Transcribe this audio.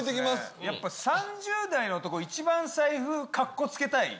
やっぱ３０代の男、一番財布かっこつけたい。